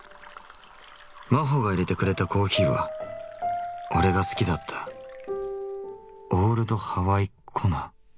真帆が入れてくれたコーヒーは俺が好きだったオールド・ハワイ・コナ。